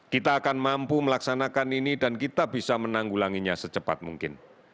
kita akan mampu melaksanakan ini dan kita bisa menanggulanginya secepat mungkin